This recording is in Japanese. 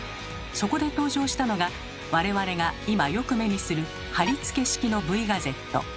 そこで登場したのが我々が今よく目にする「貼り付け式」のＶガゼット。